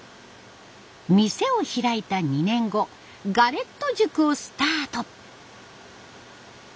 店を開いた２年後ガレット塾をスタート。